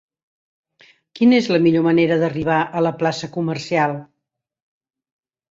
Quina és la millor manera d'arribar a la plaça Comercial?